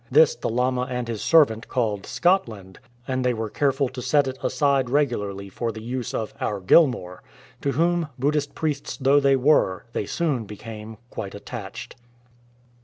This the lama and his servant called " Scotland,'" and they were careful to set it aside regularly for the use of " Our Gilmour," to whom, Buddhist priests though they were, they soon became quite attached.